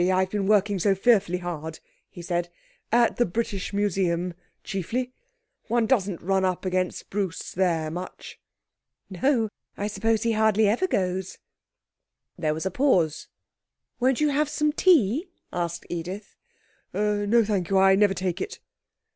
I've been working so fearfully hard,' he said; 'at the British Museum chiefly. One doesn't run up against Bruce there much.' 'No. I suppose he hardly ever goes.' There was a pause. 'Won't you have some tea?' asked Edith. 'No, thank you. I never take it.'